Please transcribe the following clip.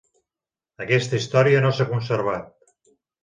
Aquesta història no s'ha conservat.